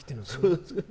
そうですね。